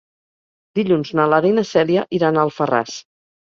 Dilluns na Lara i na Cèlia iran a Alfarràs.